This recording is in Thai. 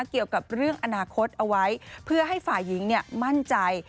เกี่ยวกับเรื่องอนาคตเอาไว้เพื่อให้ฝ่ายหญิงมั่นใจ